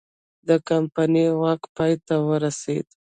د کمپنۍ واک پای ته ورسید.